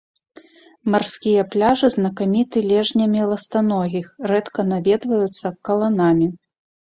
Марскія пляжы знакаміты лежнямі ластаногіх, рэдка наведваюцца каланамі.